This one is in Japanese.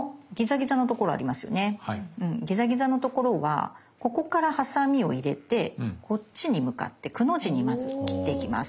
ギザギザのところはここからハサミを入れてこっちに向かって「く」の字にまず切っていきます。